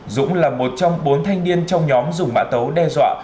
dũng là một trong bốn thanh niên trong nhóm dùng mã tấu đe dọa